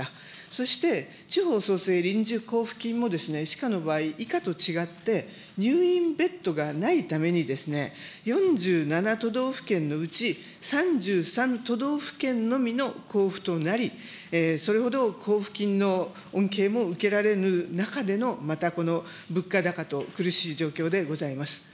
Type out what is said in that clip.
そして、地方創生臨時交付金も歯科の場合、医科と違って、入院ベッドがないために、４７都道府県のうち、３３都道府県のみの交付となり、それほど交付金の恩恵も受けられぬ中での、またこの物価高と、苦しい状況でございます。